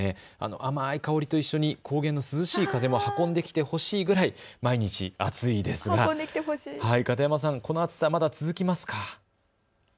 甘い香りと一緒に高原の涼しい風も運んできてほしいくらい毎日暑いですが、片山さん、この暑さ、まだ続きますか。